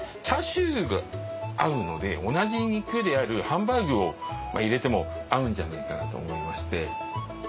チャーシューが合うので同じ肉であるハンバーグを入れても合うんじゃないかなと思いまして。